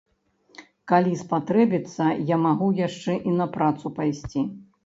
Калі спатрэбіцца, я магу яшчэ і на працу пайсці.